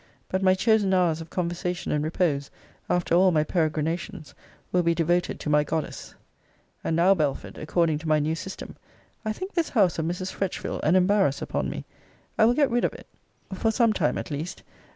But my chosen hours of conversation and repose, after all my peregrinations, will be devoted to my goddess. And now, Belford, according to my new system, I think this house of Mrs. Fretchville an embarrass upon me. I will get rid of it; for some time at least.